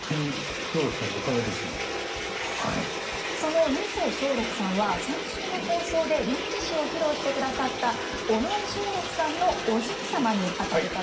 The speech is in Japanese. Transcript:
その二世松緑さんは先週の放送で「連獅子」を披露してくださった尾上松緑さんのおじい様にあたる方なんですよね。